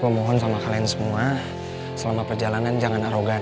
hai pemohon sama kalian semua selama perjalanan jangan arogan